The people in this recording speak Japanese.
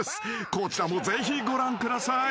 ［こちらもぜひご覧ください］